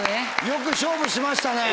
よく勝負しましたね。